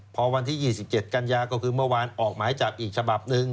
พอวันที่๒๗กันยาก็คือเมื่อวานออกหมายจับอีกฉบับหนึ่ง